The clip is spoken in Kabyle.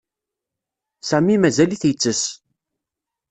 Sami mazal-it yettess.